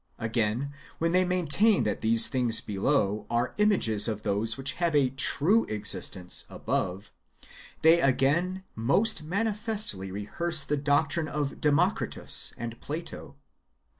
Again, w^hen they maintain that these things [below] are images of those which have a true existence [above], they again most manifestly rehearse the doctrine of Democritus and Plato.